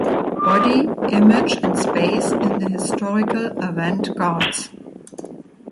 Body, Image and Space in the Historical Avent-Gardes".